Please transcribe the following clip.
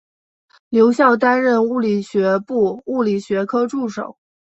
留校担任理学部物理学科助手。